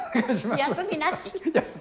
休みなし。